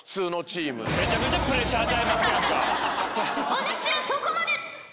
お主らそこまで！